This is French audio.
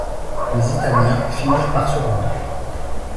Les Italiens finirent par se rendre.